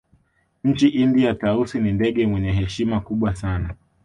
Nchini India Tausi ni ndege mwenye heshima kubwa sana